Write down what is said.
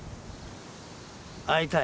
会いたい。